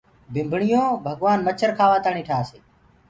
ڀمڀڻيو ڀگوآن مڇر کآوآ تآڻي ٺآس هي۔